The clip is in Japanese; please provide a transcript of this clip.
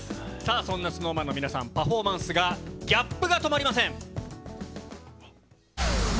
そんなＳｎｏｗＭａｎの皆さん、パフォーマンスがギャップが止まりません。